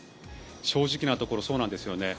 正直なところそうなんですよね。